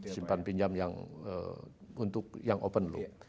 sipan pinjam yang untuk yang open loop